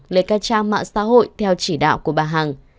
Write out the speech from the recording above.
lấy các trang mạng xã hội theo chỉ đạo của bà hằng